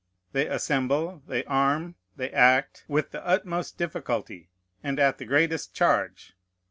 They assemble, they arm, they act, with the utmost difficulty, and at the greatest charge.